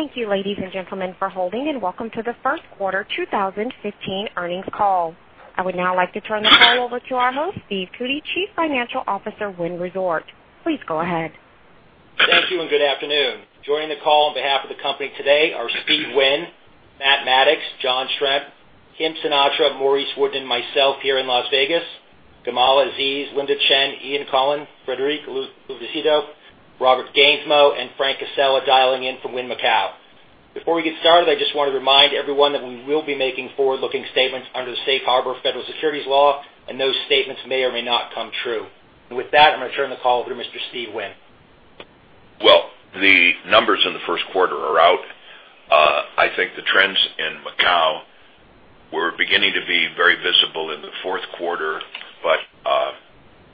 Thank you, ladies and gentlemen, for holding, and welcome to the first quarter 2015 earnings call. I would now like to turn the call over to our host, Stephen Cootey, Chief Financial Officer, Wynn Resorts. Please go ahead. Thank you, and good afternoon. Joining the call on behalf of the company today are Steve Wynn, Matt Maddox, John Schremp, Kim Sinatra, Maurice Wooden, myself here in Las Vegas, Gamal Aziz, Linda Chen, Ian Coughlan, Frederic Luvisutto, Robert Gansmo, and Frank Cassella, dialing in from Wynn Macau. Before we get started, I just want to remind everyone that we will be making forward-looking statements under the safe harbor of federal securities law, and those statements may or may not come true. With that, I'm going to turn the call over to Mr. Steve Wynn. Well, the numbers in the first quarter are out. I think the trends in Macau were beginning to be very visible in the fourth quarter, but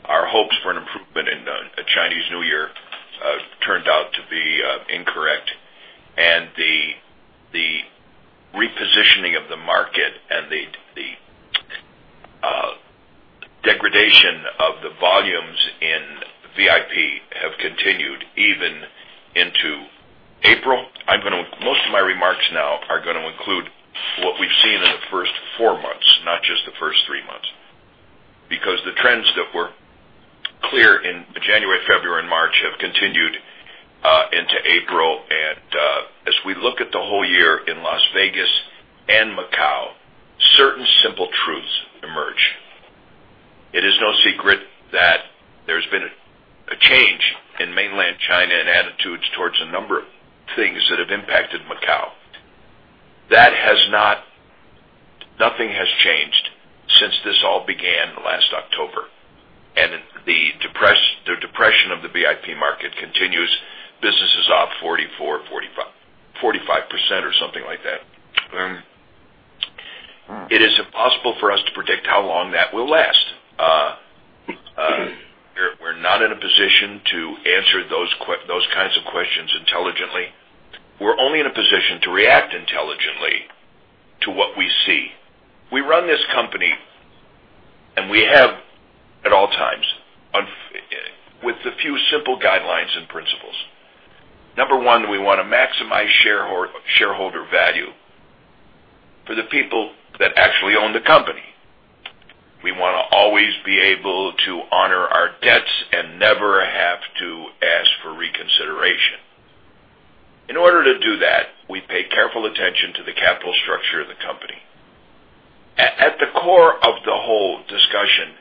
our hopes for an improvement in the Chinese New Year turned out to be incorrect, and the repositioning of the market and the degradation of the volumes in VIP have continued even into April. Most of my remarks now are going to include what we've seen in the first four months, not just the first three months, because the trends that were clear in January, February, and March have continued into April. As we look at the whole year in Las Vegas and Macau, certain simple truths emerge. It is no secret that there's been a change in mainland China and attitudes towards a number of things that have impacted Macau. Nothing has changed since this all began last October. The depression of the VIP market continues. Business is off 44%, 45% or something like that. It is impossible for us to predict how long that will last. We're not in a position to answer those kinds of questions intelligently. We're only in a position to react intelligently to what we see. We run this company, and we have at all times, with a few simple guidelines and principles. Number one, we want to maximize shareholder value for the people that actually own the company. We want to always be able to honor our debts and never have to ask for reconsideration. In order to do that, we pay careful attention to the capital structure of the company. At the core of the whole discussion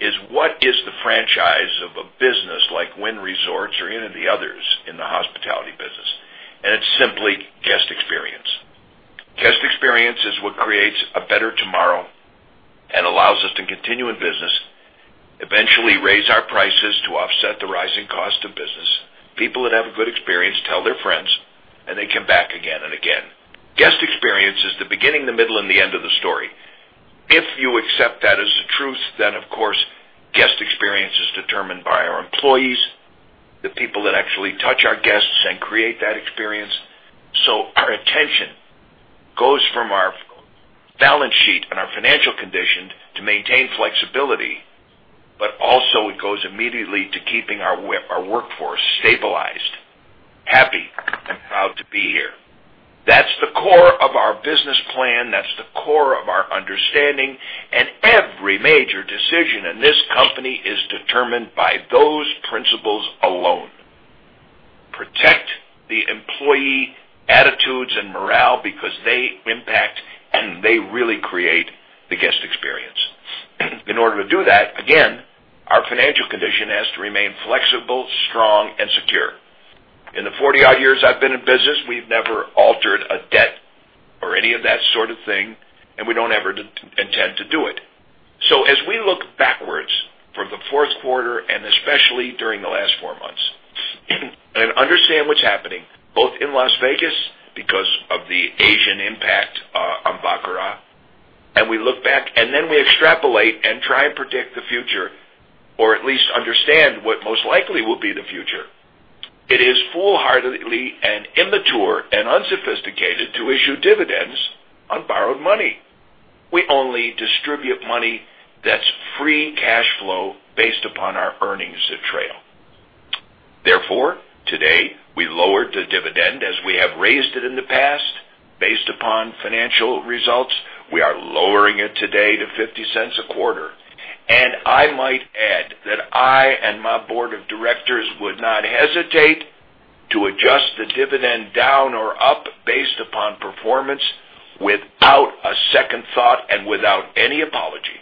is what is the franchise of a business like Wynn Resorts or any of the others in the hospitality business? It's simply guest experience. Guest experience is what creates a better tomorrow and allows us to continue in business, eventually raise our prices to offset the rising cost of business. People that have a good experience tell their friends, and they come back again and again. Guest experience is the beginning, the middle, and the end of the story. If you accept that as the truth, then, of course, guest experience is determined by our employees, the people that actually touch our guests and create that experience. Our attention goes from our balance sheet and our financial condition to maintain flexibility, but also it goes immediately to keeping our workforce stabilized, happy, and proud to be here. That's the core of our business plan. That's the core of our understanding. Every major decision in this company is determined by those principles alone. Protect the employee attitudes and morale because they impact, and they really create the guest experience. In order to do that, again, our financial condition has to remain flexible, strong, and secure. In the 40-odd years I've been in business, we've never altered a debt or any of that sort of thing, and we don't ever intend to do it. As we look backwards from the fourth quarter, and especially during the last four months, and understand what's happening both in Las Vegas because of the Asian impact on baccarat, and we look back, and then we extrapolate and try and predict the future, or at least understand what most likely will be the future, it is foolhardy and immature and unsophisticated to issue dividends on borrowed money. We only distribute money that's free cash flow based upon our earnings of trail. Therefore, today, we lowered the dividend as we have raised it in the past based upon financial results. We are lowering it today to $0.50 a quarter. I might add that I and my board of directors would not hesitate to adjust the dividend down or up based upon performance without a second thought and without any apology.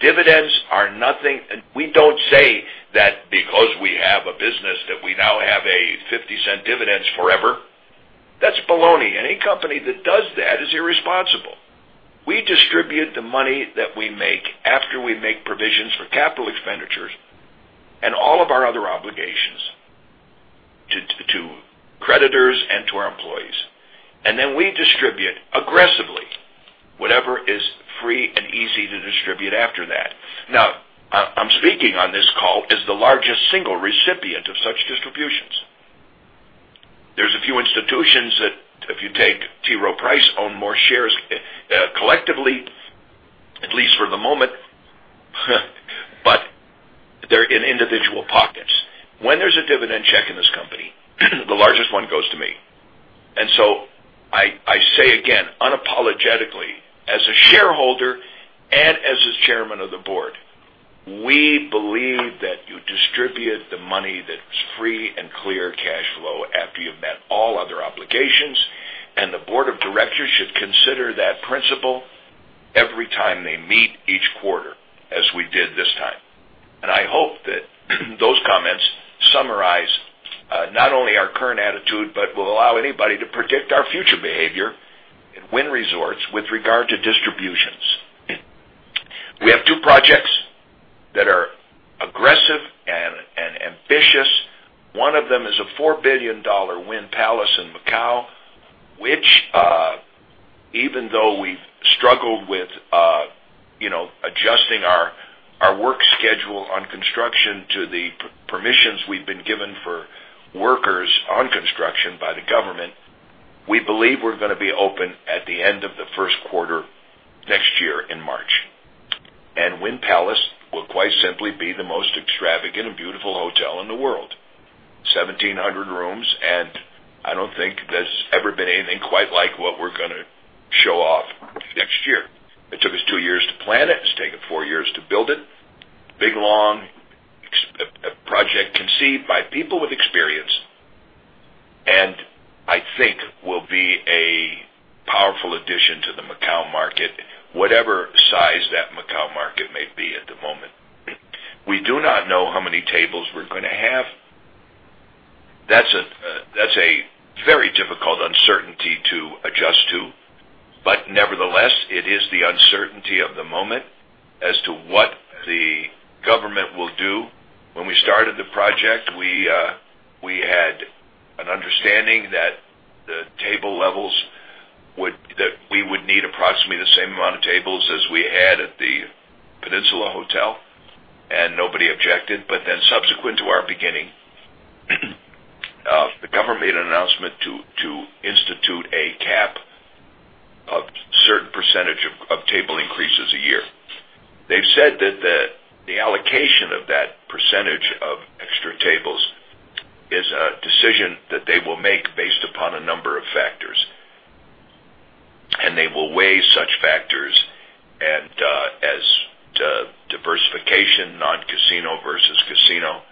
Dividends are nothing. We don't say that because we have a business that we now have a $0.50 dividends forever. That's baloney. Any company that does that is irresponsible. We distribute the money that we make after we make provisions for capital expenditures and all of our other obligations to creditors and to our employees. Then we distribute aggressively whatever is free and easy to distribute after that. Now, I'm speaking on this call as the largest single recipient of such distributions. There's a few institutions that if you take T. Rowe Price, own more shares collectively, at least for the moment, they're in individual pockets. When there's a dividend check in this company, the largest one goes to me. I say again, unapologetically, as a shareholder and as the chairman of the board, we believe that you distribute the money that's free and clear cash flow after you've met all other obligations, and the board of directors should consider that principle every time they meet each quarter, as we did this time. I hope that those comments summarize not only our current attitude, but will allow anybody to predict our future behavior in Wynn Resorts with regard to distributions. We have two projects that are aggressive and ambitious. One of them is a $4 billion Wynn Palace in Macau, which, even though we've struggled with adjusting our work schedule on construction to the permissions we've been given for workers on construction by the government, we believe we're going to be open at the end of the first quarter next year in March. Wynn Palace will quite simply be the most extravagant and beautiful hotel in the world. 1,700 rooms, and I don't think there's ever been anything quite like what we're going to show off next year. It took us two years to plan it. It's taken four years to build it. Big, long project conceived by people with experience, and I think will be a powerful addition to the Macau market, whatever size that Macau market may be at the moment. We do not know how many tables we're going to have. That's a very difficult uncertainty to adjust to. Nevertheless, it is the uncertainty of the moment as to what the government will do. When we started the project, we had an understanding that the table levels, that we would need approximately the same amount of tables as we had at the Peninsula Hotel, and nobody objected. Subsequent to our beginning, the government made an announcement to institute a cap of a certain percentage of table increases a year. They've said that the allocation of that percentage of extra tables is a decision that they will make based upon a number of factors, and they will weigh such factors as diversification, non-casino versus casino.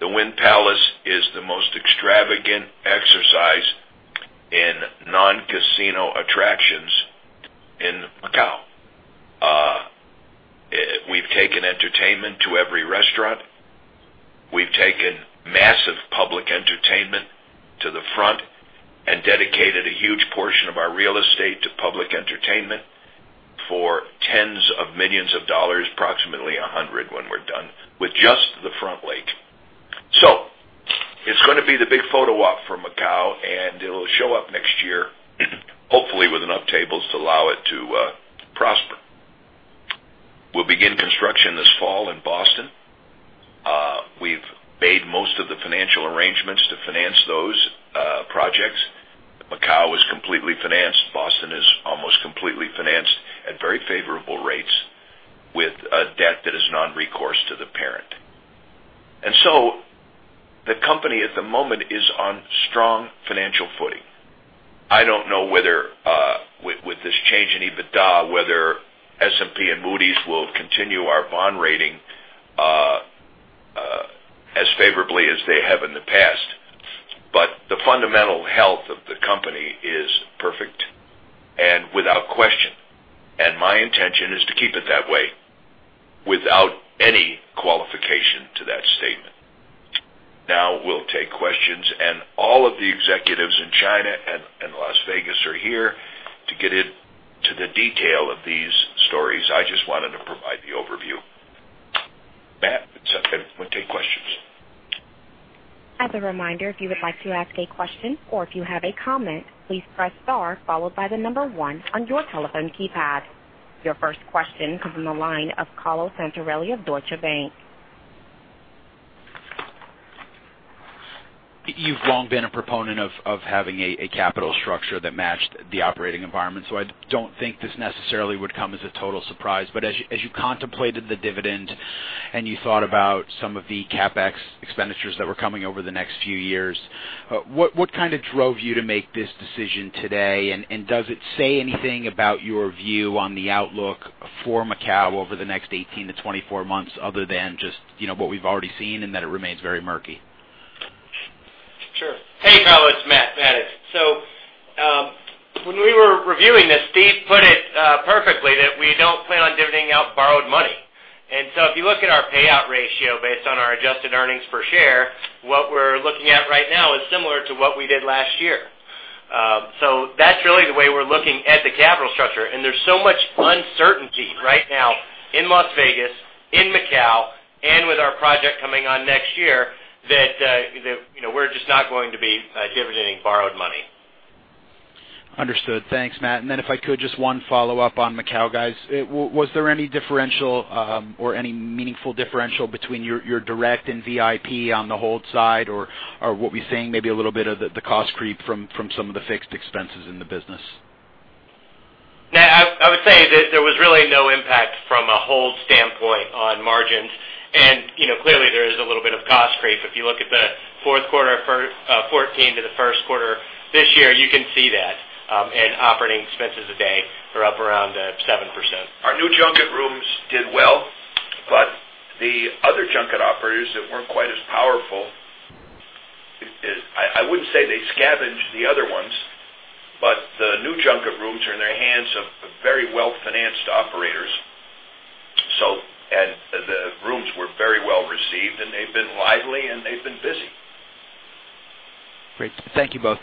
The Wynn Palace is the most extravagant exercise in non-casino attractions in Macau. We've taken entertainment to every restaurant. We've taken massive public entertainment to the front and dedicated a huge portion of our real estate to public entertainment for tens of millions of dollars, approximately $100 when we're done with just the front lake. It's going to be the big photo op for Macau, and it'll show up next year, hopefully with enough tables to allow it to prosper. We'll begin construction this fall in Boston. We've made most of the financial arrangements to finance those projects. Macau is completely financed. Boston is almost completely financed at very favorable rates with a debt that is non-recourse to the parent. The company at the moment is on strong financial footing. I don't know whether with this change in EBITDA, whether S&P and Moody's will continue our bond rating as favorably as they have in the past. The fundamental health of the company is perfect and without question, and my intention is to keep it that way without any qualification to that statement. Now we'll take questions, and all of the executives in China and Las Vegas are here to get into the detail of these stories. I just wanted to provide the overview. Matt, it's up. We'll take questions. As a reminder, if you would like to ask a question or if you have a comment, please press star followed by the number 1 on your telephone keypad. Your first question comes from the line of Carlo Santarelli of Deutsche Bank. You've long been a proponent of having a capital structure that matched the operating environment. I don't think this necessarily would come as a total surprise. As you contemplated the dividend and you thought about some of the CapEx expenditures that were coming over the next few years, what drove you to make this decision today, and does it say anything about your view on the outlook for Macau over the next 18-24 months other than just what we've already seen and that it remains very murky? Sure. Hey, Carlo. It's Matt Maddox. When we were reviewing this, Steve put it perfectly that we don't plan on divvying out borrowed money. If you look at our payout ratio based on our adjusted earnings per share, what we're looking at right now is similar to what we did last year. That's really the way we're looking at the capital structure. There's so much uncertainty right now in Las Vegas, in Macau, and with our project coming on next year that we're just not going to be dividending borrowed money. Understood. Thanks, Matt. If I could, just one follow-up on Macau, guys. Was there any differential or any meaningful differential between your direct and VIP on the hold side, or are we seeing maybe a little bit of the cost creep from some of the fixed expenses in the business? Now, I would say that there was really no impact from a hold standpoint on margins. Clearly, there is a little bit of cost creep. If you look at the fourth quarter of 2014 to the first quarter this year, you can see that in operating expenses today are up around 7%. Our new junket rooms did well, the other junket operators that weren't quite as powerful, I wouldn't say they scavenged the other ones, the new junket rooms are in the hands of very well-financed operators. The rooms were very well received, and they've been lively, and they've been busy. Great. Thank you both.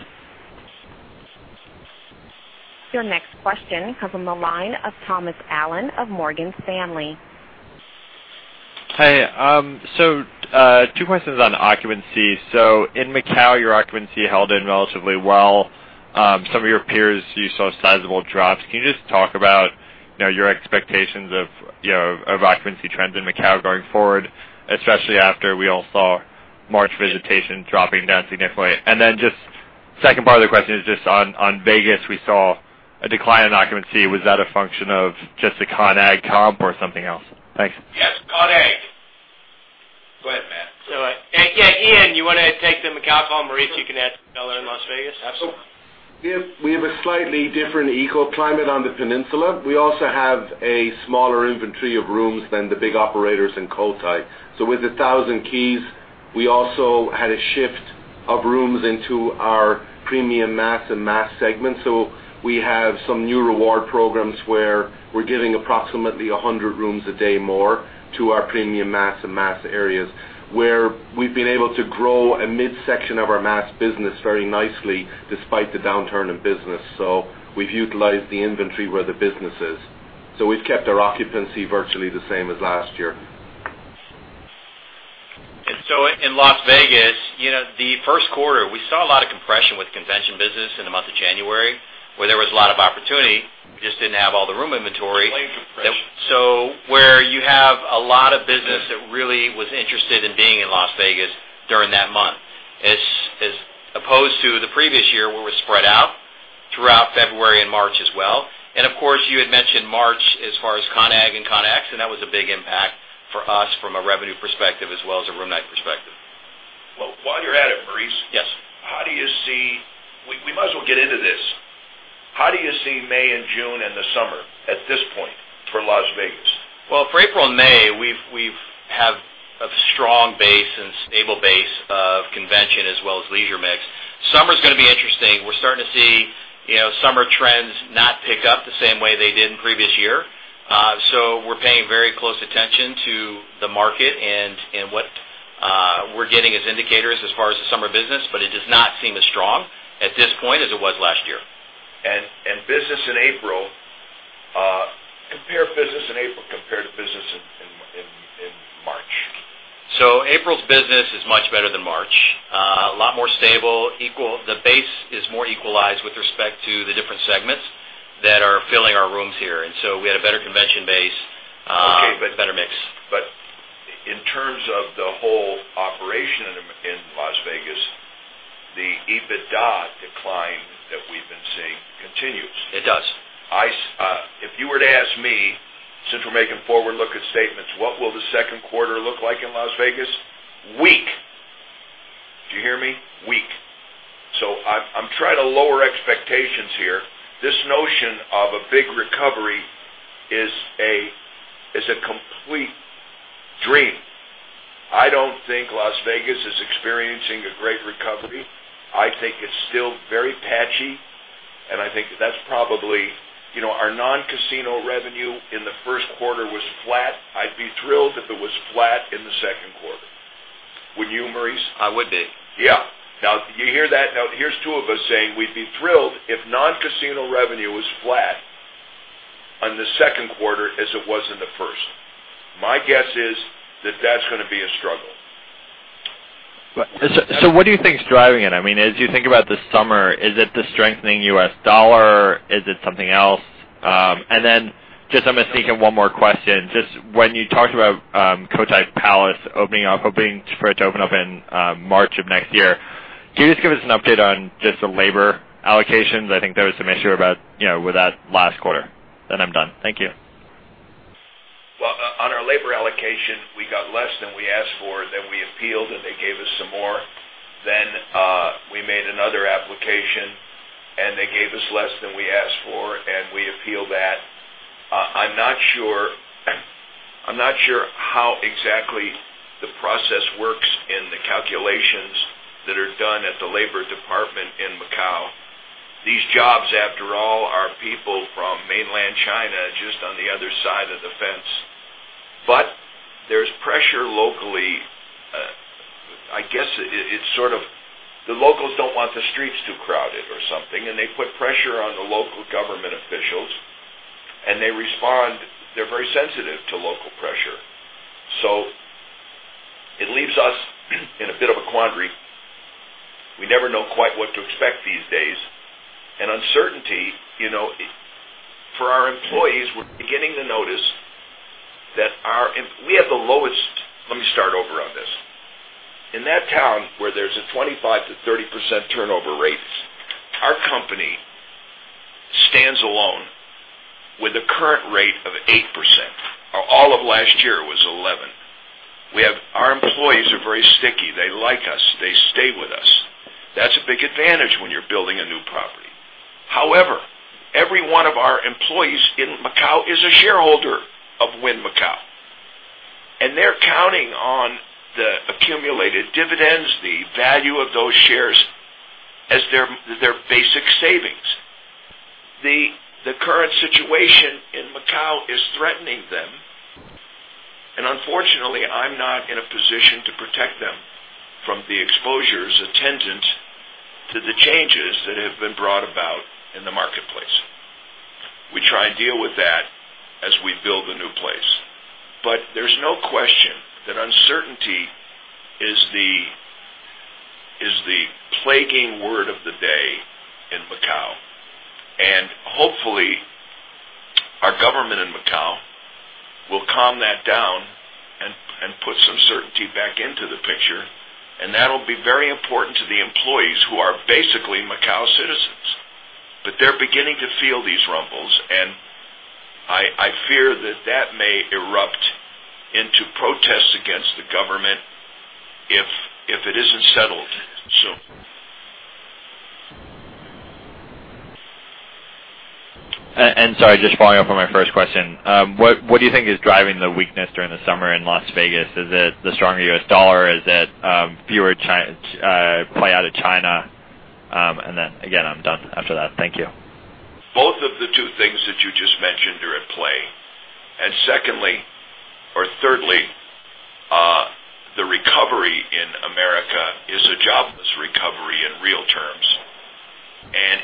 Your next question comes from the line of Thomas Allen of Morgan Stanley. Hey. Two questions on occupancy. In Macau, your occupancy held in relatively well. Some of your peers, you saw sizable drops. Can you just talk about your expectations of occupancy trends in Macau going forward, especially after we all saw March visitation dropping down significantly? Then just second part of the question is just on Vegas, we saw a decline in occupancy. Was that a function of just the Con/Agg comp or something else? Thanks. Yes, Con/Agg. Go ahead, Matt. All right. Yeah, Ian, you want to take the Macau call, and Maurice, you can add to that in Las Vegas? Absolutely. We have a slightly different eco climate on the peninsula. We also have a smaller inventory of rooms than the big operators in Cotai. With 1,000 keys, we also had a shift of rooms into our premium mass and mass segment. We have some new reward programs where we're giving approximately 100 rooms a day more to our premium mass and mass areas, where we've been able to grow a midsection of our mass business very nicely despite the downturn in business. We've utilized the inventory where the business is. We've kept our occupancy virtually the same as last year. In Las Vegas, the first quarter, we saw a lot of compression with convention business in the month of January, where there was a lot of opportunity, we just didn't have all the room inventory. Light compression. Where you have a lot of business that really was interested in being in Las Vegas during that month, as opposed to the previous year where it was spread out throughout February and March as well. Of course, you had mentioned March as far as Con/Agg and Conexpo, and that was a big impact for us from a revenue perspective as well as a room night perspective. Well, while you're at it, Maurice. Yes. We might as well get into this. How do you see May and June and the summer at this point for Las Vegas? Well, for April and May, we have a strong base and stable base of convention as well as leisure mix. Summer's going to be interesting. We're starting to see summer trends not pick up the same way they did in the previous year. We're paying very close attention to the market and what we're getting as indicators as far as the summer business, it does not seem as strong at this point as it was last year. Business in April, compare business in April compared to business in March? April's business is much better than March. A lot more stable. The base is more equalized with respect to the different segments that are filling our rooms here, we had a better convention base. Okay a better mix. In terms of the whole operation in Las Vegas, the EBITDA decline that we've been seeing continues. It does. If you were to ask me, since we're making forward-looking statements, what will the second quarter look like in Las Vegas? Weak. Do you hear me? Weak. I'm trying to lower expectations here. This notion of a big recovery is a complete dream. I don't think Las Vegas is experiencing a great recovery. I think it's still very patchy, and I think that's probably Our non-casino revenue in the first quarter was flat. I'd be thrilled if it was flat in the second quarter. Would you, Maurice? I would be. Yeah. Do you hear that? Here's two of us saying we'd be thrilled if non-casino revenue was flat on the second quarter as it was in the first. My guess is that that's going to be a struggle. What do you think is driving it? As you think about the summer, is it the strengthening U.S. dollar? Is it something else? Just I'm going to sneak in one more question. Just when you talked about Cotai Palace opening up, hoping for it to open up in March of next year, can you just give us an update on just the labor allocations? I think there was some issue with that last quarter. I'm done. Thank you. Well, on our labor allocation, we got less than we asked for, then we appealed, and they gave us some more. We made another application, and they gave us less than we asked for, and we appealed that. I'm not sure how exactly the process works in the calculations that are done at the Labor Department in Macau. These jobs, after all, are people from mainland China, just on the other side of the fence. There's pressure locally. I guess it's sort of the locals don't want the streets too crowded or something, and they put pressure on the local government officials, and they respond. They're very sensitive to local pressure. It leaves us in a bit of a quandary. We never know quite what to expect these days. In that town, where there's a 25%-30% turnover rate, our company stands alone with a current rate of 8%, or all of last year was 11. Our employees are very sticky. They like us. They stay with us. That's a big advantage when you're building a new property. However, every one of our employees in Macau is a shareholder of Wynn Macau. They're counting on the accumulated dividends, the value of those shares as their basic savings. The current situation in Macau is threatening them. Unfortunately, I'm not in a position to protect them from the exposures attendant to the changes that have been brought about in the marketplace. We try and deal with that as we build the new place. There's no question that uncertainty is the plaguing word of the day in Macau. Hopefully, our government in Macau will calm that down and put some certainty back into the picture. That'll be very important to the employees who are basically Macau citizens. They're beginning to feel these rumbles, and I fear that that may erupt into protests against the government if it isn't settled soon. Sorry, just following up on my first question. What do you think is driving the weakness during the summer in Las Vegas? Is it the stronger U.S. dollar? Is it fewer play out of China? Then again, I'm done after that. Thank you. Both of the two things that you just mentioned are at play. Secondly or thirdly, the recovery in America is a jobless recovery in real terms.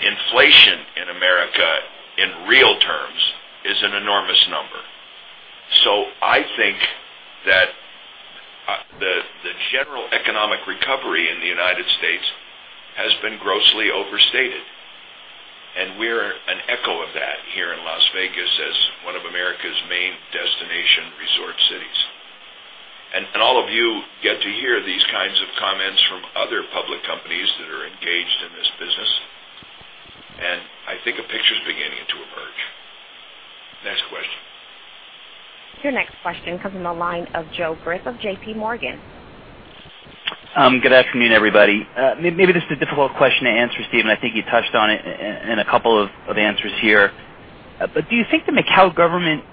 Inflation in America in real terms is an enormous number. I think that the general economic recovery in the United States has been grossly overstated. We're an echo of that here in Las Vegas as one of America's main destination resort cities. All of you get to hear these kinds of comments from other public companies that are engaged in this business. I think a picture is beginning to emerge. Next question. Your next question comes from the line of Joseph Greff of J.P. Morgan. Good afternoon, everybody. Maybe this is a difficult question to answer, Steve, and I think you touched on it in a couple of answers here. Do you think the Macau Government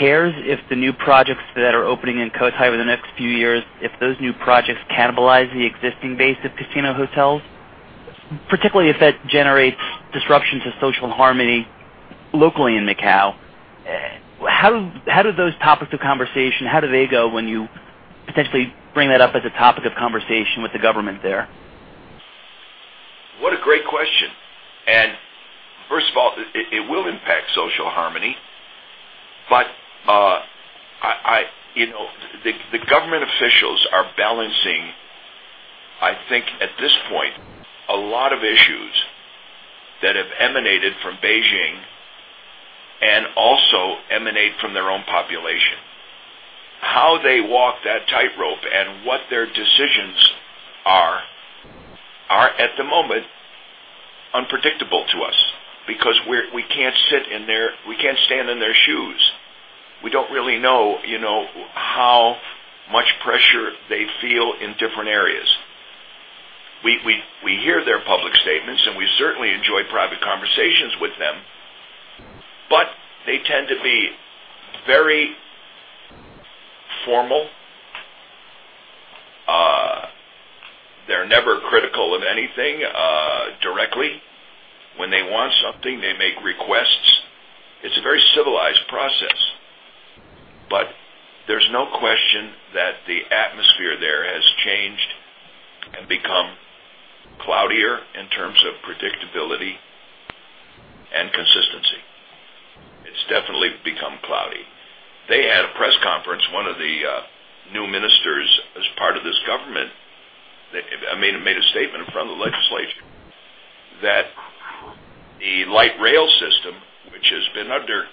cares if the new projects that are opening in Cotai over the next few years, if those new projects cannibalize the existing base of casino hotels, particularly if that generates disruption to social harmony locally in Macau? How do those topics of conversation, how do they go when you potentially bring that up as a topic of conversation with the Government there? What a great question. First of all, it will impact social harmony. The government officials are balancing, I think at this point, a lot of issues that have emanated from Beijing and also emanate from their own population. How they walk that tightrope and what their decisions are at the moment unpredictable to us because we can't stand in their shoes. We don't really know how much pressure they feel in different areas. We hear their public statements, and we certainly enjoy private conversations with them. They tend to be very formal. They're never critical of anything directly. When they want something, they make requests. It's a very civilized process. There's no question that the atmosphere there has changed and become cloudier in terms of predictability and consistency. It's definitely become cloudy. They had a press conference, one of the new ministers as part of this government made a statement in front of the legislature that the light rail system, which has been under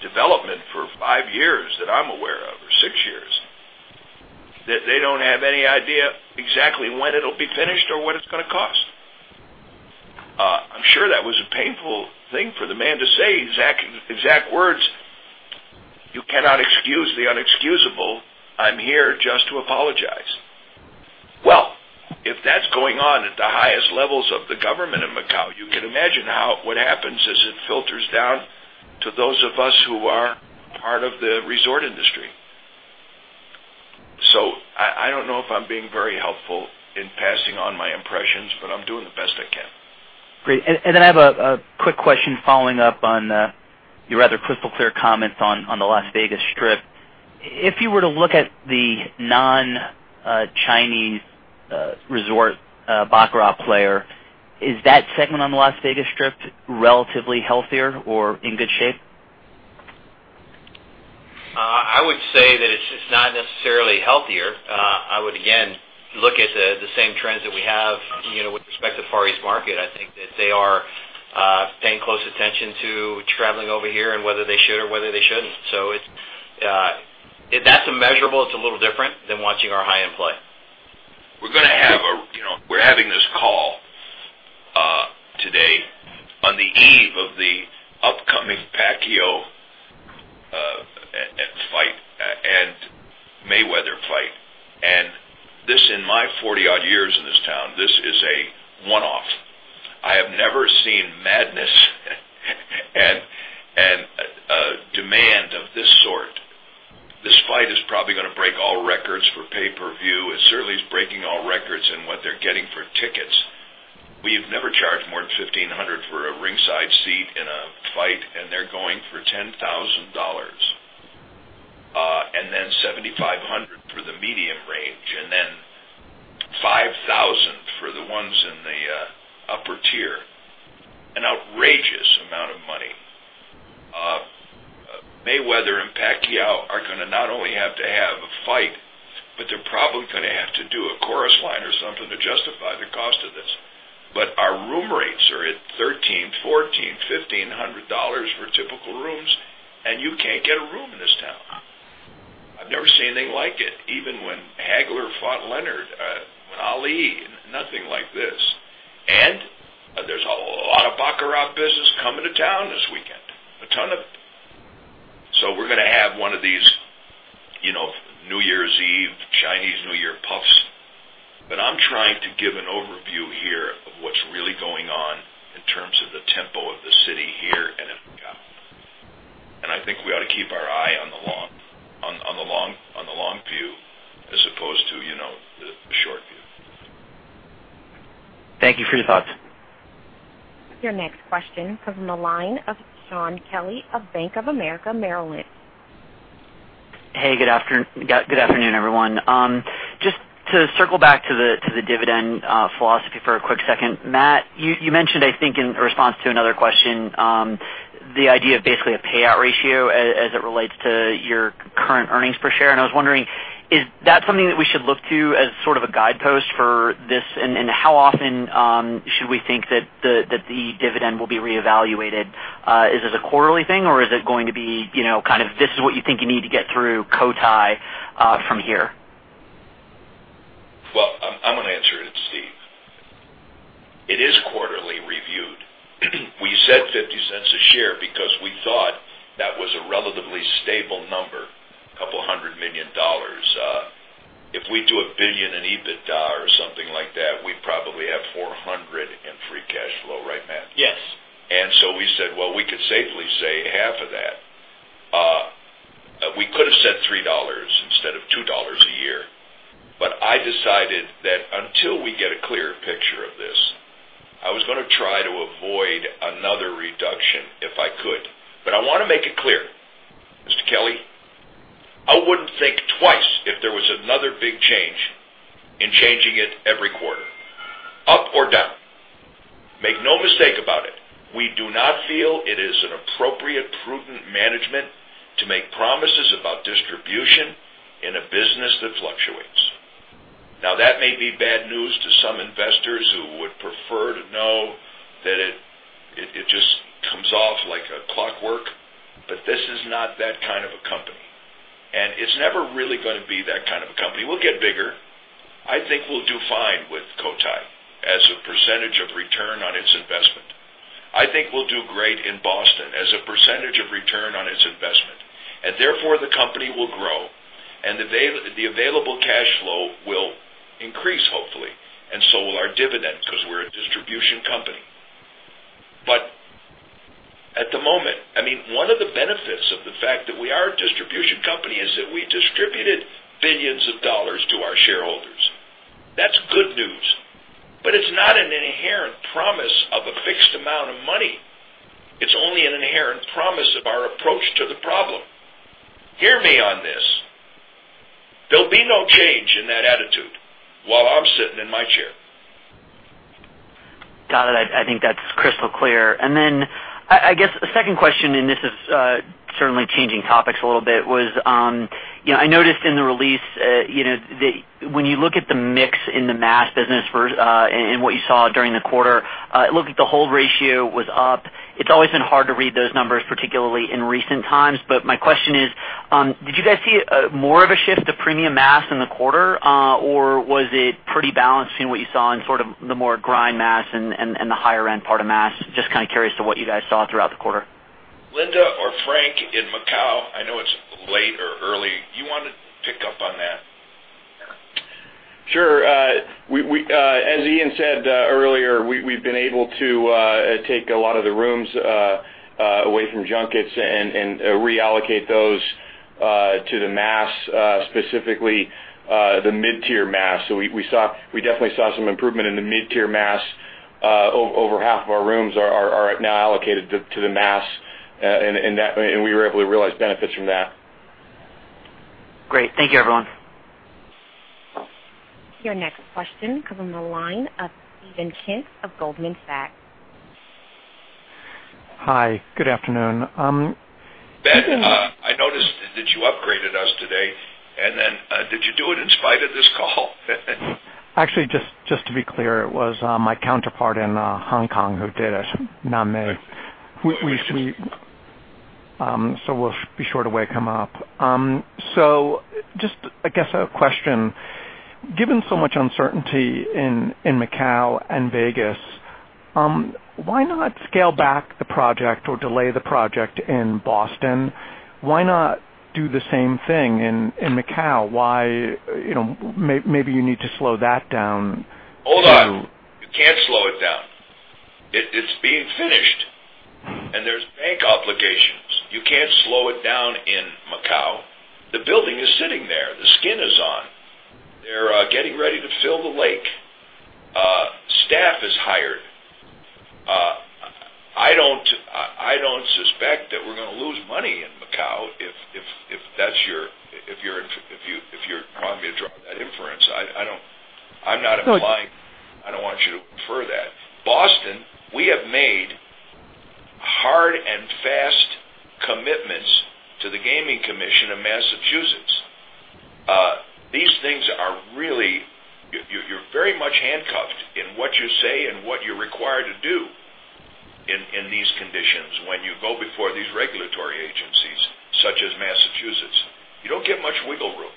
development for five years that I'm aware of, or six years, that they don't have any idea exactly when it'll be finished or what it's going to cost. I'm sure that was a painful thing for the man to say exact words. "You cannot excuse the inexcusable. I'm here just to apologize." Well, if that's going on at the highest levels of the government in Macau, you can imagine what happens is it filters down to those of us who are part of the resort industry. I don't know if I'm being very helpful in passing on my impressions, but I'm doing the best I can. Great. I have a quick question following up on your rather crystal clear comments on the Las Vegas Strip. If you were to look at the non-Chinese resort baccarat player, is that segment on the Las Vegas Strip relatively healthier or in good shape? I would say that it's just not necessarily healthier. I would again Look at the same trends that we have with respect to the Far East market. I think that they are paying close attention to traveling over here and whether they should or whether they shouldn't. That's immeasurable. It's a little different than watching our high-end play. We're having this call today on the eve of the upcoming Pacquiao fight and Mayweather fight. This, in my 40-odd years in this town, this is a one-off. I have never seen madness and demand of this sort. This fight is probably going to break all records for pay-per-view. It certainly is breaking all records in what they're getting for tickets. We've never charged more than $1,500 for a ringside seat in a fight, and they're going for $10,000. $7,500 for the medium range, $5,000 for the ones in the upper tier. An outrageous amount of money. Mayweather and Pacquiao are going to not only have to have a fight, but they're probably going to have to do a chorus line or something to justify the cost of this. Our room rates are at $1,300, $1,400, $1,500 for typical rooms, and you can't get a room in this town. I've never seen anything like it, even when Hagler fought Leonard, when Ali nothing like this. There's a lot of baccarat business coming to town this weekend. A ton of it. We're going to have one of these New Year's Eve, Chinese New Year puffs. I'm trying to give an overview here of what's really going on in terms of the tempo of the city here and in Macau. I think we ought to keep our eye on the long view as opposed to the short view. Thank you for your thoughts. Your next question comes from the line of Shaun Kelley of Bank of America Merrill Lynch. Hey, good afternoon, everyone. Just to circle back to the dividend philosophy for a quick second. Matt, you mentioned, I think, in response to another question, the idea of basically a payout ratio as it relates to your current earnings per share. I was wondering, is that something that we should look to as sort of a guidepost for this, and how often should we think that the dividend will be reevaluated? Is this a quarterly thing, or is it going to be kind of, this is what you think you need to get through Cotai from here? Well, I'm going to answer it, Steve. It is quarterly reviewed. We said $0.50 a share because we thought that was a relatively stable number, $200 million. If we do $1 billion in EBITDA or something like that, we probably have $400 million in free cash flow, right, Matt? Yes. We said, well, we could safely say half of that. We could have said $3 instead of $2 a year. I decided that until we get a clear picture of this, I was going to try to avoid another reduction if I could. I want to make it clear, Mr. Kelley, I wouldn't think twice if there was another big change in changing it every quarter, up or down. Make no mistake about it, we do not feel it is an appropriate, prudent management to make promises about distribution in a business that fluctuates. Now, that may be bad news to some investors who would prefer to know that it just comes off like clockwork, but this is not that kind of a company. It's never really going to be that kind of a company. We'll get bigger. I think we'll do fine with Cotai as a percentage of return on its investment. I think we'll do great in Boston as a percentage of return on its investment. Therefore, the company will grow, and the available cash flow will increase, hopefully, and so will our dividend because we're a distribution company. At the moment, one of the benefits of the fact that we are a distribution company is that we distributed $billions to our shareholders. That's good news. It's not an inherent promise of a fixed amount of money. It's only an inherent promise of our approach to the problem. Hear me on this. There'll be no change in that attitude while I'm sitting in my chair. Got it. I think that's crystal clear. Then, I guess a second question, and this is certainly changing topics a little bit, was I noticed in the release, when you look at the mix in the mass business and what you saw during the quarter, it looked like the hold ratio was up. It's always been hard to read those numbers, particularly in recent times. My question is, did you guys see more of a shift to premium mass in the quarter? Or was it pretty balanced between what you saw in sort of the more grind mass and the higher-end part of mass? Just kind of curious to what you guys saw throughout the quarter. Linda or Frank in Macau, I know it's late or early. Do you want to pick up on that? Sure. As Ian said earlier, we've been able to take a lot of the rooms away from junkets and reallocate those to the mass, specifically the mid-tier mass. We definitely saw some improvement in the mid-tier mass. Over half of our rooms are now allocated to the mass, and we were able to realize benefits from that. Great. Thank you, everyone. Your next question comes on the line of Steven Kent of Goldman Sachs. Hi, good afternoon. Ben, I noticed that you upgraded us today. Did you do it in spite of this call? Actually, just to be clear, it was my counterpart in Hong Kong who did it, [Na Mei]. We'll be sure to wake him up. Just, I guess, a question. Given so much uncertainty in Macau and Vegas, why not scale back the project or delay the project in Boston? Why not do the same thing in Macau? Maybe you need to slow that down to- Hold on. You can't slow it down. It's being finished, and there's bank obligations. You can't slow it down in Macau. The building is sitting there. The skin is on. They're getting ready to fill the lake. Staff is hired. I don't suspect that we're going to lose money in Macau, if you're prompting me to draw that inference. I'm not implying, I don't want you to infer that. Boston, we have made hard and fast commitments to the Gaming Commission of Massachusetts. You're very much handcuffed in what you say and what you're required to do in these conditions when you go before these regulatory agencies, such as Massachusetts. You don't get much wiggle room.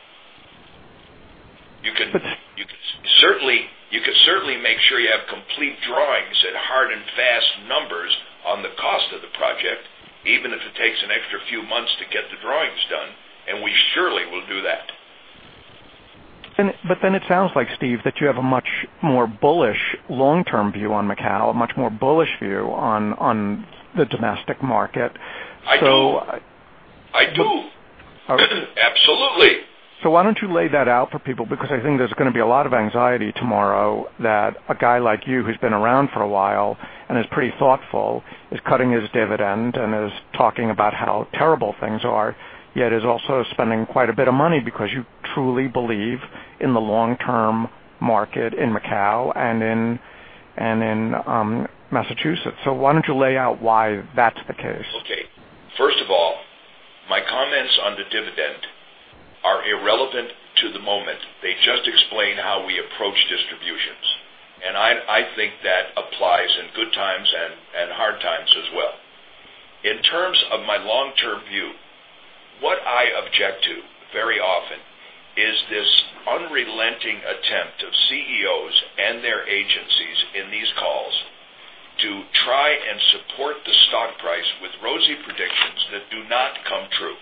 You can certainly make sure you have complete drawings and hard and fast numbers on the cost of the project, even if it takes an extra few months to get the drawings done, we surely will do that. It sounds like, Steve, that you have a much more bullish long-term view on Macau, a much more bullish view on the domestic market. I do. Absolutely. Why don't you lay that out for people? Because I think there's going to be a lot of anxiety tomorrow that a guy like you, who's been around for a while and is pretty thoughtful, is cutting his dividend and is talking about how terrible things are, yet is also spending quite a bit of money because you truly believe in the long-term market in Macau and in Massachusetts. Why don't you lay out why that's the case? Okay. First of all, my comments on the dividend are irrelevant to the moment. They just explain how we approach distributions. I think that applies in good times and hard times as well. In terms of my long-term view, what I object to very often is this unrelenting attempt of CEOs and their agencies in these calls to try and support the stock price with rosy predictions that do not come true.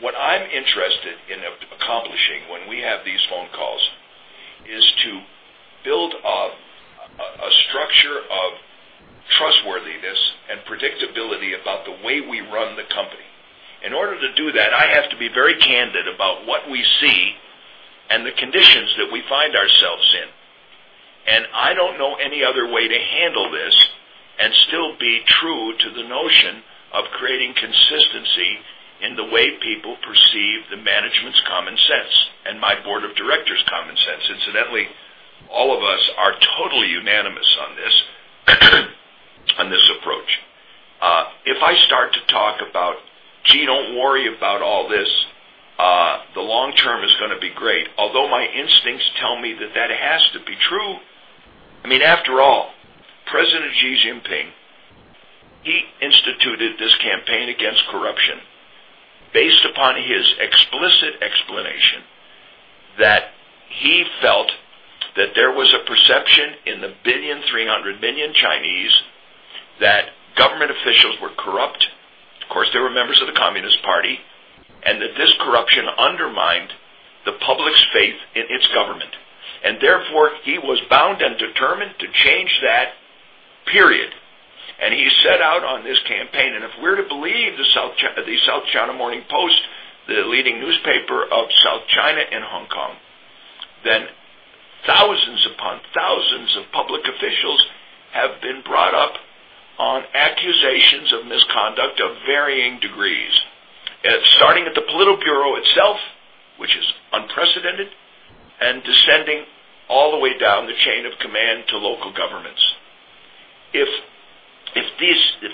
What I'm interested in accomplishing when we have these phone calls is to build a structure of trustworthiness and predictability about the way we run the company. In order to do that, I have to be very candid about what we see and the conditions that we find ourselves in. I don't know any other way to handle this and still be true to the notion of creating consistency in the way people perceive the management's common sense and my board of directors' common sense. Incidentally, all of us are totally unanimous on this approach. If I start to talk about, "Gee, don't worry about all this. The long-term is going to be great," although my instincts tell me that that has to be true. I mean, after all, President Xi Jinping, he instituted this campaign against corruption based upon his explicit explanation that he felt that there was a perception in the billion, 300 million Chinese that government officials were corrupt, of course, they were members of the Communist Party, and that this corruption undermined the public's faith in its government. Therefore, he was bound and determined to change that, period. He set out on this campaign. If we're to believe the South China Morning Post, the leading newspaper of South China in Hong Kong, then thousands upon thousands of public officials have been brought up on accusations of misconduct of varying degrees, starting at the Politburo itself, which is unprecedented, and descending all the way down the chain of command to local governments. If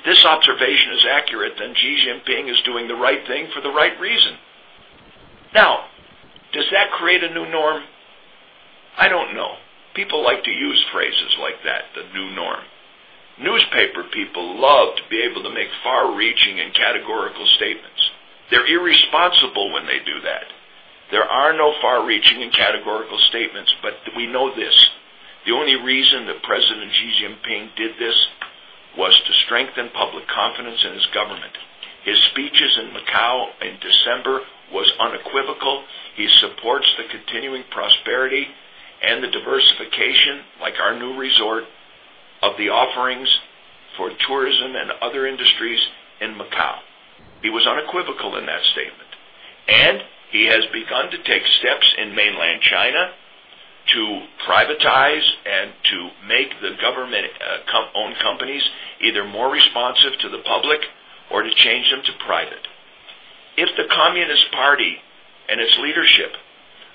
this observation is accurate, then Xi Jinping is doing the right thing for the right reason. Does that create a new norm? I don't know. People like to use phrases like that, the new norm. Newspaper people love to be able to make far-reaching and categorical statements. They're irresponsible when they do that. There are no far-reaching and categorical statements, but we know this. The only reason that President Xi Jinping did this was to strengthen public confidence in his government. His speeches in Macau in December was unequivocal. He supports the continuing prosperity and the diversification, like our new resort, of the offerings for tourism and other industries in Macau. He was unequivocal in that statement. He has begun to take steps in mainland China to privatize and to make the government-owned companies either more responsive to the public or to change them to private. If the Communist Party and its leadership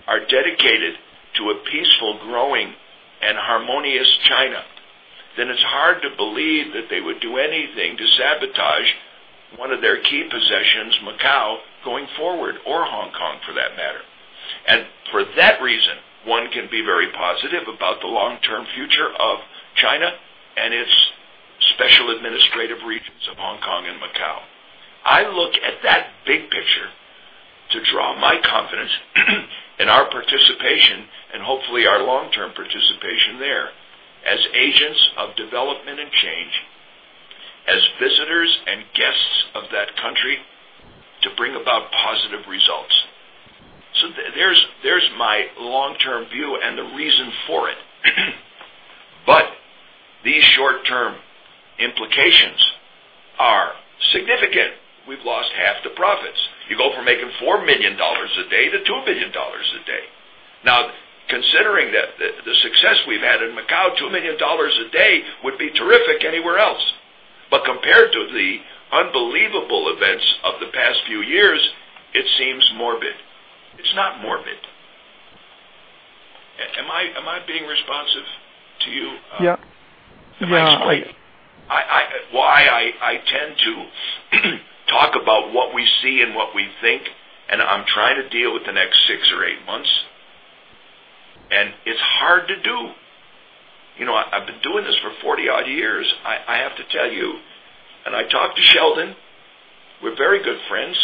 are dedicated to a peaceful, growing and harmonious China, then it's hard to believe that they would do anything to sabotage one of their key possessions, Macau, going forward, or Hong Kong for that matter. For that reason, one can be very positive about the long-term future of China and its special administrative regions of Hong Kong and Macau. I look at that big picture to draw my confidence in our participation and hopefully our long-term participation there as agents of development and change, as visitors and guests of that country to bring about positive results. There's my long-term view and the reason for it. These short-term implications are significant. We've lost half the profits. You go from making $4 million a day to $2 million a day. Now, considering that the success we've had in Macau, $2 million a day would be terrific anywhere else. Compared to the unbelievable events of the past few years, it seems morbid. It's not morbid. Am I being responsive to you? Yeah. That's why I tend to talk about what we see and what we think, I'm trying to deal with the next six or eight months, and it's hard to do. I've been doing this for 40-odd years. I have to tell you, I talked to Sheldon. We're very good friends.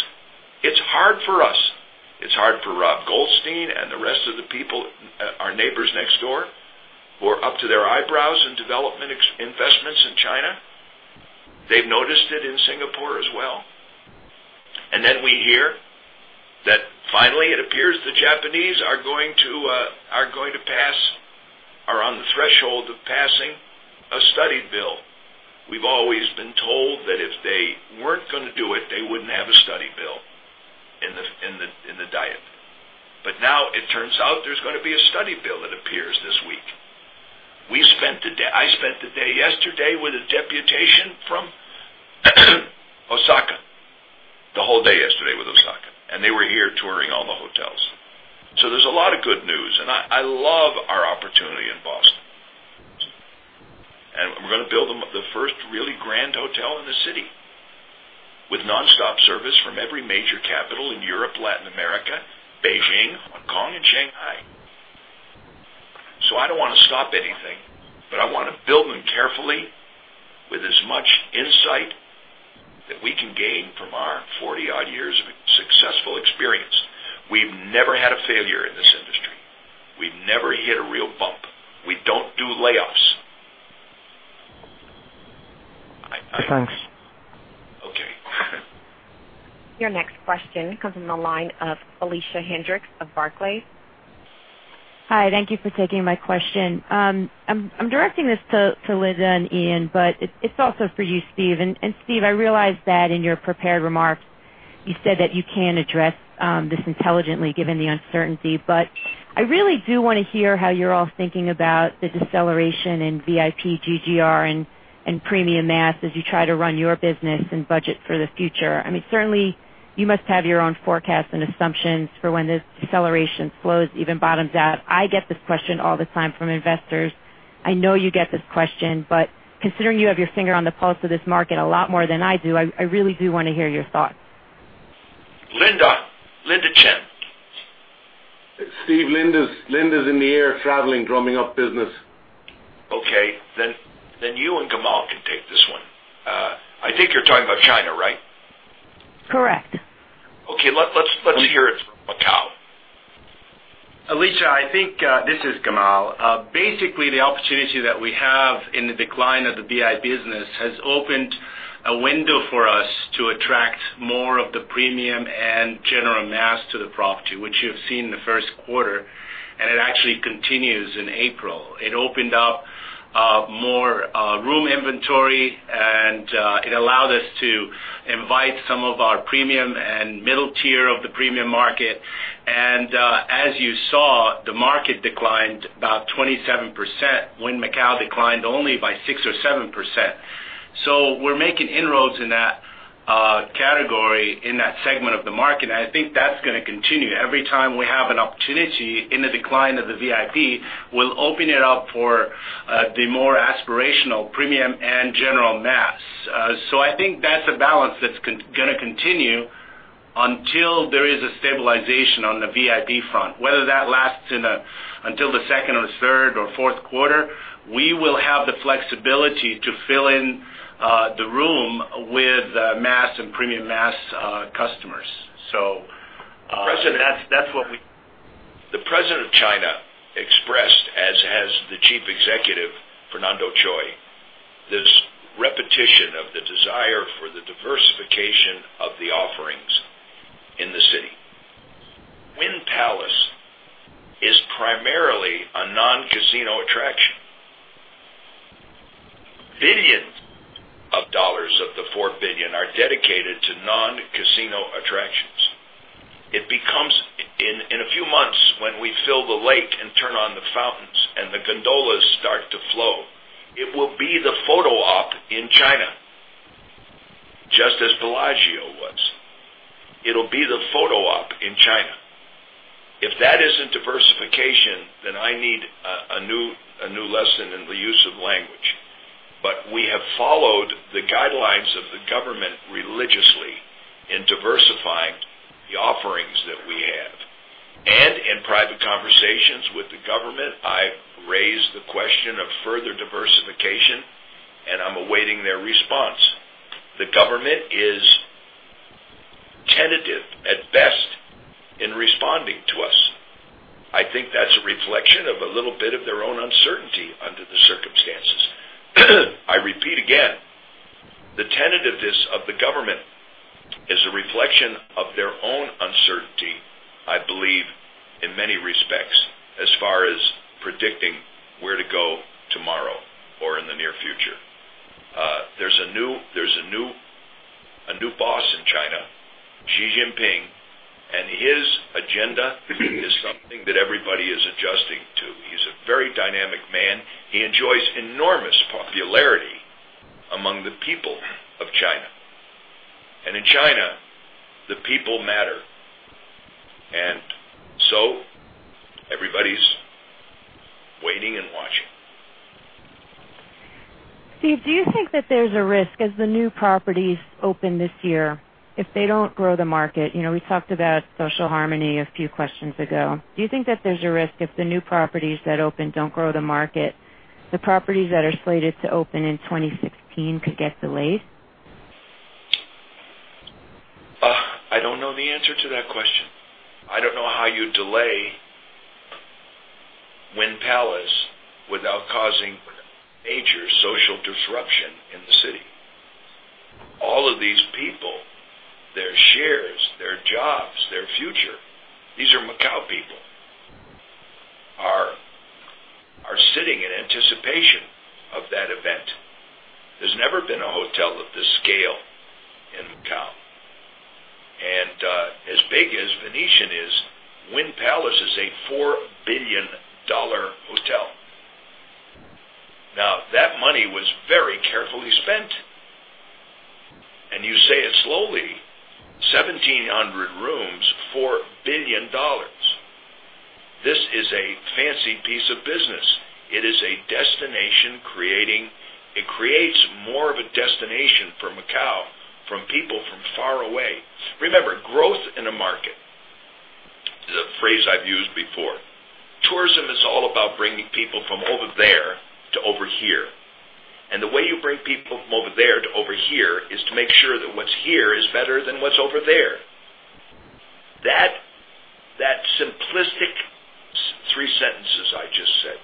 It's hard for us. It's hard for Rob Goldstein and the rest of the people, our neighbors next door, who are up to their eyebrows in development investments in China. They've noticed it in Singapore as well. We hear that finally, it appears the Japanese are going to pass, are on the threshold of passing a study bill. We've always been told that if they weren't going to do it, they wouldn't have a study bill in the diet. Now it turns out there's going to be a study bill it appears this week. I spent the day yesterday with a deputation from Osaka, the whole day yesterday with Osaka. They were here touring all the hotels. There's a lot of good news, and I love our opportunity in Boston. We're going to build the first really grand hotel in the city with nonstop service from every major capital in Europe, Latin America, Beijing, Hong Kong, and Shanghai. I don't want to stop anything, but I want to build them carefully with as much insight that we can gain from our 40-odd years of successful experience. We've never had a failure in this industry. We've never hit a real bump. We don't do layoffs. Thanks. Okay. Your next question comes from the line of Felicia Hendrix of Barclays. Hi. Thank you for taking my question. I'm directing this to Linda and Ian, but it's also for you, Steve. Steve, I realize that in your prepared remarks, you said that you can address this intelligently given the uncertainty. I really do want to hear how you're all thinking about the deceleration in VIP GGR and premium mass as you try to run your business and budget for the future. Certainly, you must have your own forecast and assumptions for when this deceleration slows, even bottoms out. I get this question all the time from investors. I know you get this question, but considering you have your finger on the pulse of this market a lot more than I do, I really do want to hear your thoughts. Linda. Linda Chen. Steve, Linda's in the air traveling, drumming up business. Okay. You and Gamal can take this one. I think you're talking about China, right? Correct. Okay. Let's hear it from Macau. Felicia, I think, this is Gamal. The opportunity that we have in the decline of the VIP business has opened a window for us to attract more of the premium and general mass to the property, which you have seen in the first quarter, and it actually continues in April. It opened up more room inventory, and it allowed us to invite some of our premium and middle tier of the premium market. As you saw, the market declined about 27% when Macau declined only by 6% or 7%. We're making inroads in that category, in that segment of the market, and I think that's going to continue. Every time we have an opportunity in the decline of the VIP, we'll open it up for the more aspirational premium and general mass. I think that's a balance that's going to continue until there is a stabilization on the VIP front. Whether that lasts until the second or third or fourth quarter, we will have the flexibility to fill in the room with mass and premium mass customers. That's what we- The President of China expressed, as has the chief executive, Fernando Chui, this repetition of the desire for the diversification of the offerings in the city. Wynn Palace is primarily a non-casino attraction. Billions of dollars of the $4 billion are dedicated to non-casino attractions. In a few months, when we fill the lake and turn on the fountains and the gondolas start to flow, it will be the photo op in China. If that isn't diversification, I need a new lesson in the use of language. We have followed the guidelines of the government religiously in diversifying the offerings that we have. In private conversations with the government, I've raised the question of further diversification, and I'm awaiting their response. The government is tentative, at best, in responding to us. I think that's a reflection of a little bit of their own uncertainty under the circumstances. I repeat again, the tentativeness of the government is a reflection of their own uncertainty, I believe, in many respects, as far as predicting where to go tomorrow or in the near future. There's a new boss in China, Xi Jinping, his agenda is something that everybody is adjusting to. He's a very dynamic man. He enjoys enormous popularity among the people of China. In China, the people matter. Everybody's waiting and watching. Steve, do you think that there's a risk as the new properties open this year, if they don't grow the market? We talked about social harmony a few questions ago. Do you think that there's a risk if the new properties that open don't grow the market, the properties that are slated to open in 2016 could get delayed? I don't know the answer to that question. I don't know how you delay Wynn Palace without causing major social disruption in the city. All of these people, their shares, their jobs, their future, these are Macau people, are sitting in anticipation of that event. There's never been a hotel of this scale in Macau. As big as Venetian is, Wynn Palace is a $4 billion hotel. Now, that money was very carefully spent. You say it slowly, 1,700 rooms, $4 billion. This is a fancy piece of business. It creates more of a destination for Macau from people from far away. Remember, growth in a market, is a phrase I've used before. Tourism is all about bringing people from over there to over here. The way you bring people from over there to over here is to make sure that what's here is better than what's over there. That simplistic three sentences I just said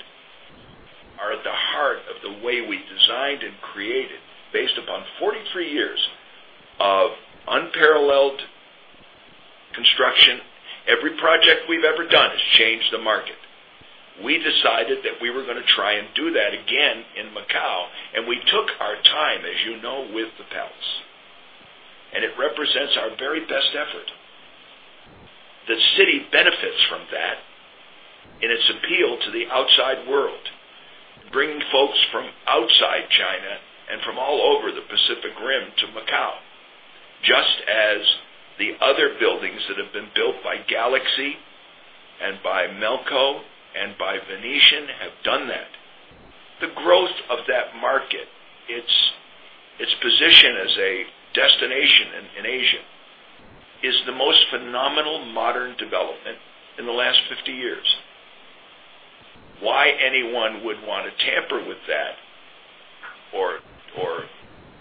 are at the heart of the way we designed and created, based upon 43 years of unparalleled construction. Every project we've ever done has changed the market. We decided that we were going to try and do that again in Macau, and we took our time, as you know, with the Palace. It represents our very best effort. The city benefits from that in its appeal to the outside world, bringing folks from outside China and from all over the Pacific Rim to Macau, just as the other buildings that have been built by Galaxy and by Melco and by Venetian have done that. The growth of that market, its position as a destination in Asia, is the most phenomenal modern development in the last 50 years. Why anyone would want to tamper with that or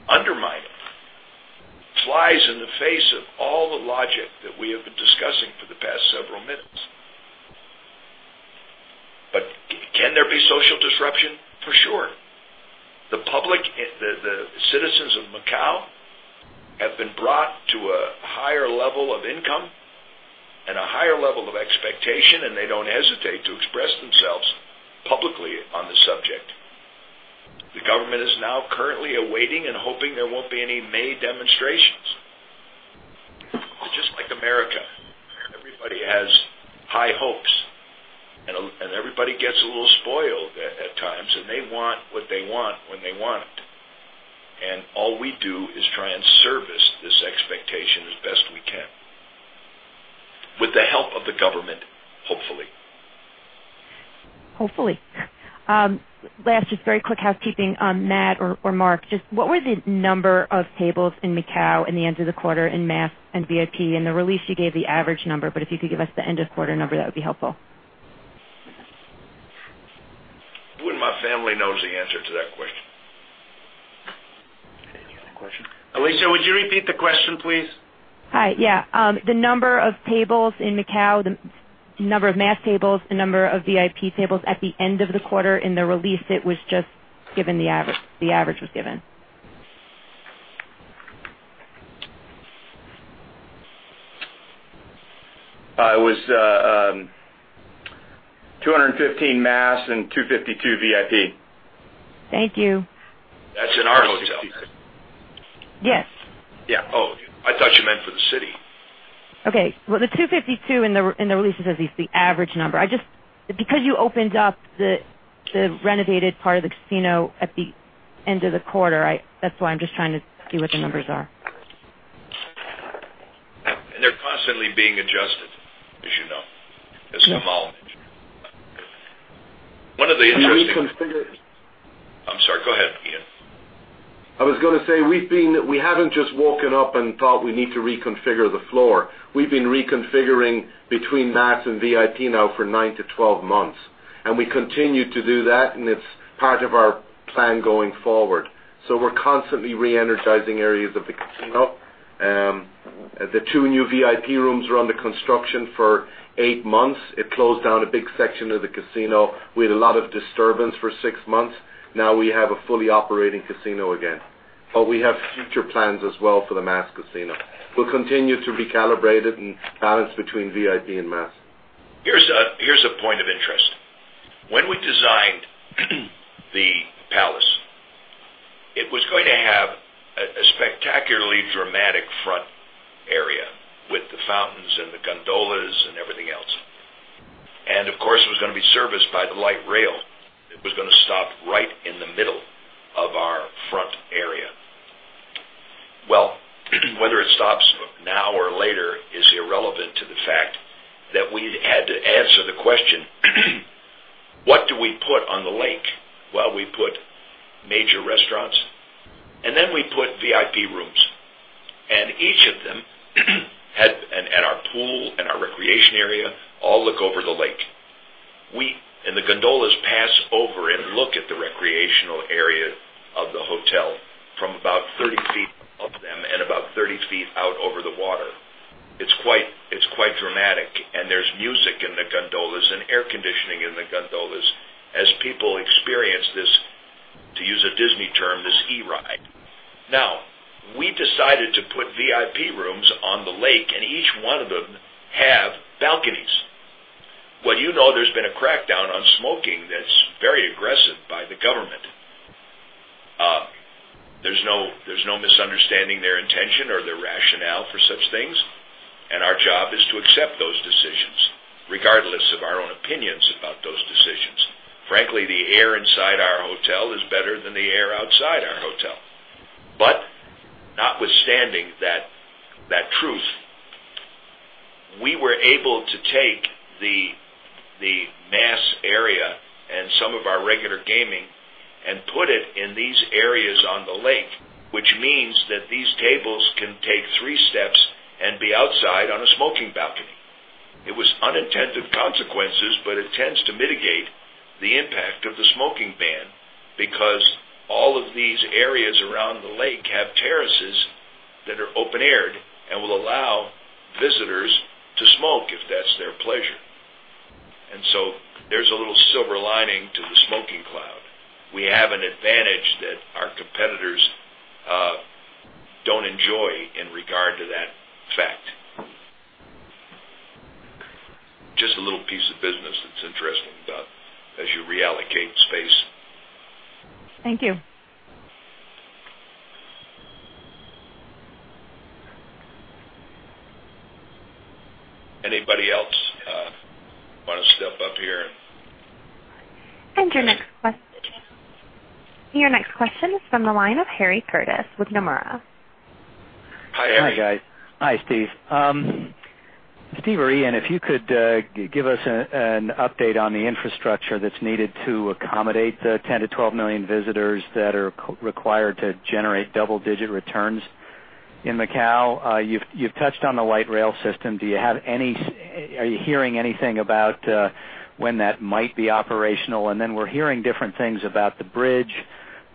undermine it flies in the face of all the logic that we have been discussing for the past several minutes. Can there be social disruption? For sure. The citizens of Macau have been brought to a higher level of income and a higher level of expectation, and they don't hesitate to express themselves publicly on the subject. The government is now currently awaiting and hoping there won't be any May demonstrations. They're just like America. Everybody has high hopes, and everybody gets a little spoiled at times, and they want what they want when they want it. All we do is try and service this expectation as best we can. With the help of the government, hopefully. Hopefully. Last, just very quick housekeeping on Matt or Mark. Just what were the number of tables in Macau in the end of the quarter in mass and VIP? In the release, you gave the average number, if you could give us the end of quarter number, that would be helpful. Wouldn't my family knows the answer to that question? Felicia, would you repeat the question, please? Hi. Yeah. The number of tables in Macau, the number of mass tables, the number of VIP tables at the end of the quarter. In the release, it was just given the average. The average was given. It was 215 mass and 252 VIP. Thank you. That's in our hotel. Yes. Yeah. Oh, I thought you meant for the city. Well, the 252 in the release, it says it's the average number. Because you opened up the renovated part of the casino at the end of the quarter, that's why I'm just trying to see what the numbers are. They're constantly being adjusted, as you know. As Gamal mentioned. we configure- I'm sorry. Go ahead, Ian. I was going to say, we haven't just woken up and thought we need to reconfigure the floor. We've been reconfiguring between mass and VIP now for 9 to 12 months, and we continue to do that, and it's part of our plan going forward. We're constantly re-energizing areas of the casino. The two new VIP rooms were under construction for eight months. It closed down a big section of the casino. We had a lot of disturbance for six months. Now we have a fully operating casino again. We have future plans as well for the mass casino. We'll continue to recalibrate it and balance between VIP and mass. Here's a point of interest. When we designed the Palace, it was going to have a spectacularly dramatic front area with the fountains and the gondolas and everything else. Of course, it was going to be serviced by the light rail that was going to stop right in the middle of our front area. Whether it stops now or later is irrelevant to the fact that we had to answer the question, what do we put on the lake? We put major restaurants, and then we put VIP rooms. Each of them, and our pool and our recreation area, all look over the lake. The gondolas pass over and look at the recreational area of the hotel from about 30 feet of them and about 30 feet out over the water. It's quite dramatic. There's music in the gondolas and air conditioning in the gondolas as people experience this, to use a Disney term, this e-ride. We decided to put VIP rooms on the lake, and each one of them have balconies. You know there's been a crackdown on smoking that's very aggressive by the government. There's no misunderstanding their intention or their rationale for such things. Our job is to accept those decisions, regardless of our own opinions about those decisions. Frankly, the air inside our hotel is better than the air outside our hotel. Notwithstanding that truth, we were able to take the mass area and some of our regular gaming and put it in these areas on the lake, which means that these tables can take three steps and be outside on a smoking balcony. It was unintended consequences. It tends to mitigate the impact of the smoking ban because all of these areas around the lake have terraces that are open-aired and will allow visitors to smoke if that's their pleasure. There's a little silver lining to the smoking cloud. We have an advantage that our competitors don't enjoy in regard to that fact. Just a little piece of business that's interesting, [Dub], as you reallocate space. Thank you. Anybody else want to step up here? Your next question is from the line of Harry Curtis with Nomura. Hi, Harry. Hi, guys. Hi, Steve. Steve or Ian, if you could give us an update on the infrastructure that's needed to accommodate the 10 to 12 million visitors that are required to generate double-digit returns in Macau. You've touched on the light rail system. Are you hearing anything about when that might be operational? Then we're hearing different things about the bridge.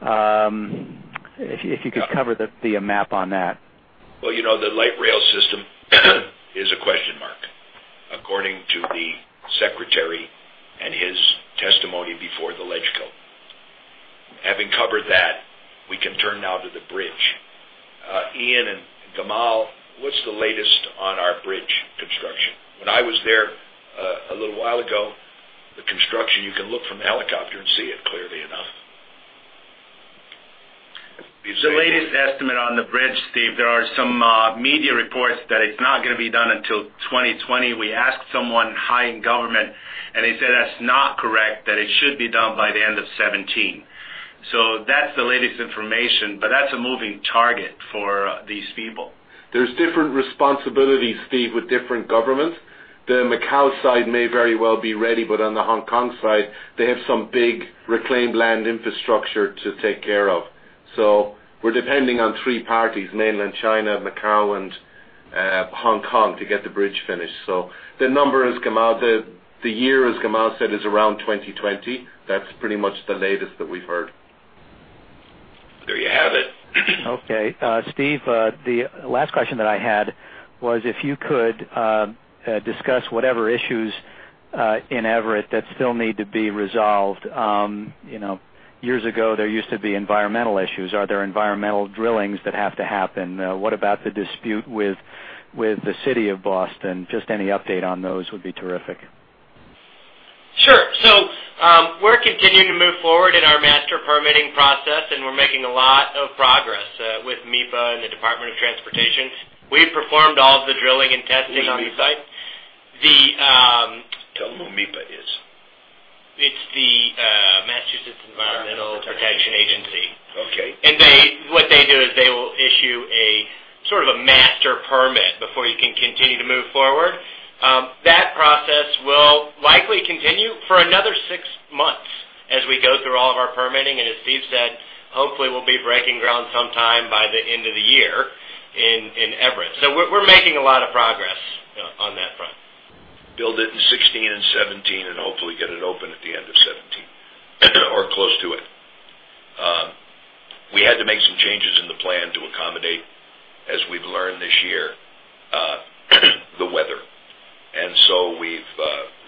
If you could cover the map on that. Well, the light rail system is a question mark according to the secretary and his testimony before the LegCo. Having covered that, we can turn now to the bridge. Ian and Gamal, what's the latest on our bridge construction? When I was there a little while ago, the construction, you can look from the helicopter and see it clearly enough. The latest estimate on the bridge, Steve, there are some media reports that it's not going to be done until 2020. We asked someone high in government, they said that's not correct, that it should be done by the end of 2017. That's the latest information, but that's a moving target for these people. There's different responsibilities, Steve, with different governments. The Macau side may very well be ready, on the Hong Kong side, they have some big reclaimed land infrastructure to take care of. We're depending on three parties, mainland China, Macau, and Hong Kong, to get the bridge finished. The year, as Gamal said, is around 2020. That's pretty much the latest that we've heard. There you have it. Okay. Steve, the last question that I had was if you could discuss whatever issues in Everett that still need to be resolved. Years ago, there used to be environmental issues. Are there environmental drillings that have to happen? What about the dispute with the city of Boston? Just any update on those would be terrific. Sure. We're continuing to move forward in our master permitting process, and we're making a lot of progress with MEPA and the Department of Transportation. We've performed all of the drilling and testing on the site. Who's MEPA? The- Tell them who MEPA is. It's the Massachusetts Environmental Protection Agency. Okay. What they do is they will issue a master permit before you can continue to move forward. That process will likely continue for another six months as we go through all of our permitting, and as Steve said, hopefully we'll be breaking ground sometime by the end of the year in Everett. We're making a lot of progress on that front. Build it in 2016 and 2017, hopefully get it open at the end of 2017 or close to it. We had to make some changes in the plan to accommodate, as we've learned this year, the weather. We've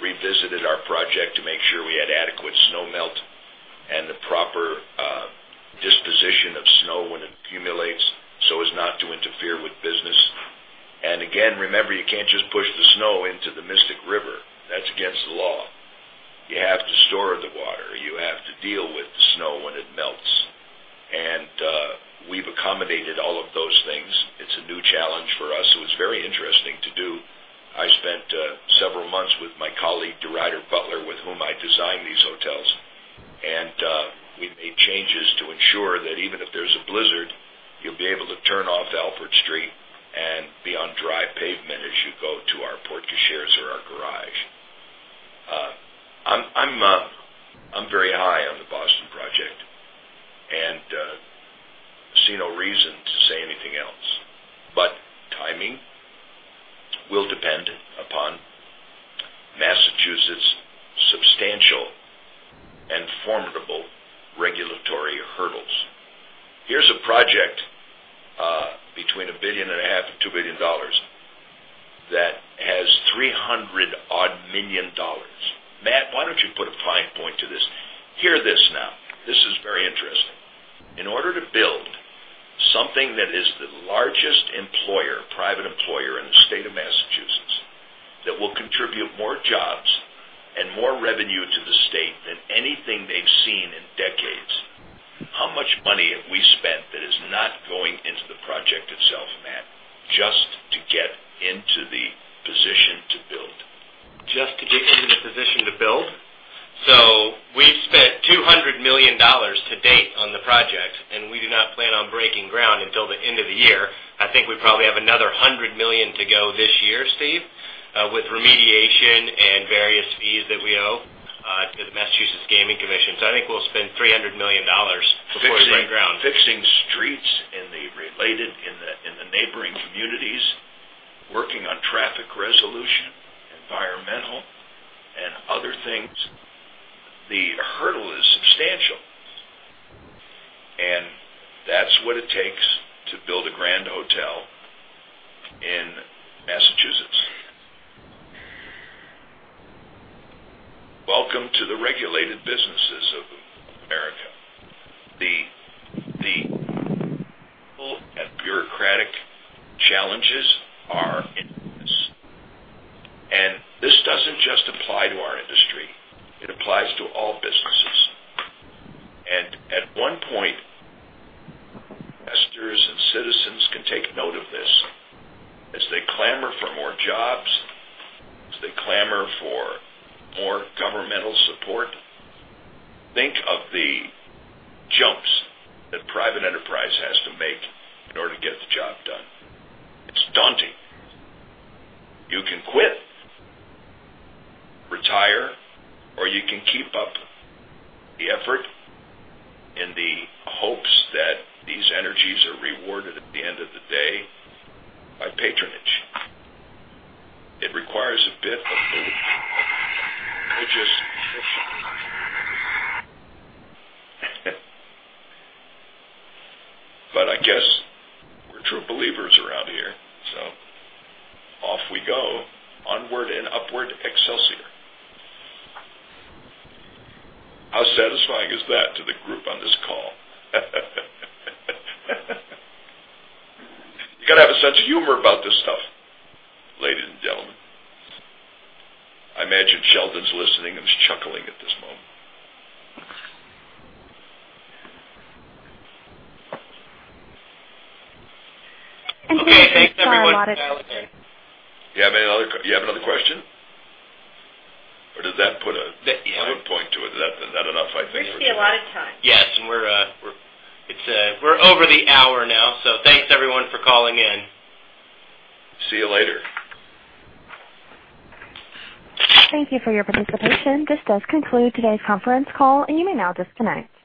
revisited our project to make sure we had adequate snow melt and the proper disposition of snow when it accumulates so as not to interfere with business. Again, remember, you can't just push the snow into the Mystic River. That's against the law. You have to store the water. You have to deal with the snow when it melts. We've accommodated all of those things. It's a new challenge for us. It was very interesting to do. I spent several months with my colleague, DeRuyter Butler, with whom I designed these hotels, we made changes to ensure that even if there's a blizzard, you'll be able to turn off Alford Street and be on dry pavement as you go to our porte cocheres or our garage. I'm very high on the Boston project and see no reason to say anything else. Timing will depend upon Massachusetts' substantial and formidable regulatory hurdles. Here's a project between a billion and a half dollars and $2 billion that has $300-odd million. Matt, why don't you put a fine point to this? Hear this now. This is very interesting. In order to build something that is the largest employer, private employer in the state of Massachusetts, that will contribute more jobs and more revenue to the state than anything they've seen in decades, how much money have we spent that is not going into the project itself, Matt, just to get into the position to build? Just to get into the position to build? We've spent $200 million to date on the project, we do not plan on breaking ground until the end of the year. I think we probably have another $100 million to go this year, Steve, with remediation and various fees that we owe to the Massachusetts Gaming Commission. I think we'll spend $300 million before we break ground. Fixing streets in the neighboring communities, working on traffic resolution, environmental and other things. The hurdle is substantial, that's what it takes to build a grand hotel in Massachusetts. Welcome to the regulated businesses of America. The legal and bureaucratic challenges are